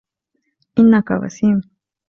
إنك وسيم